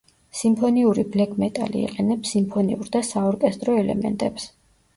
სიმფონიური ბლეკ-მეტალი იყენებს სიმფონიურ და საორკესტრო ელემენტებს.